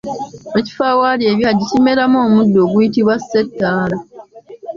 Ekifo awaali ebyagi kimeramu omuddo oguyitibwa ssettaala.